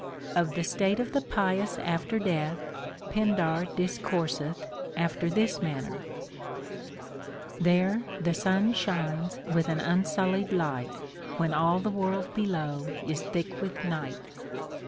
35. Of the state of the pious after death, Pindar dis courseth after this manner :— There the sun sliines with an unsullied light, Wiien all the world below is thick with night.